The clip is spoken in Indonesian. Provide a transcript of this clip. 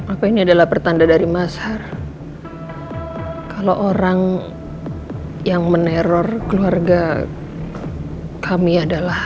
apa ini adalah pertanda dari mashar kalau orang yang meneror keluarga kami adalah